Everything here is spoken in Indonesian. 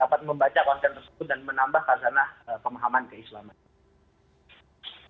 dapat membaca konten tersebut dan menambah kazanah pemahaman ke islam